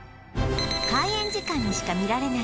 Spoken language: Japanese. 開園時間にしか見られない